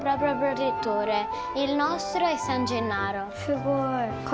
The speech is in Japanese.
すごい。